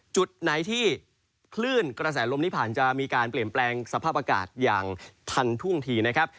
จุดไหนที่คลื่นกระแสลมที่ผ่านจะมีการเปลี่ยนแปลงสภาพอากาศอย่างทันท่วงทีนะครับ